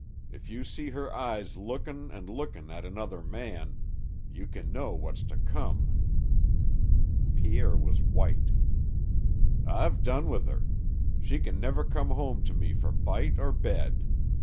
If you see her eyes lookin' an' lookin' at another man, you kin know what's to come." Pierre was white. "I've done with her. She kin never come to me fer bite or bed.